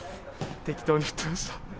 適当に振ってました。